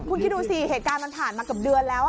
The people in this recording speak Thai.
คุณคิดดูสิเหตุการณ์มันผ่านมาเกือบเดือนแล้ว